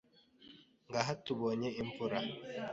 Ngaha tubonye imvura